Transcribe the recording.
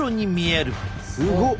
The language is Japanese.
すごっ！